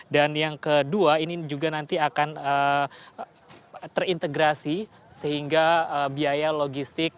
dan yang kedua ini juga nanti akan terintegrasi sehingga biaya logistik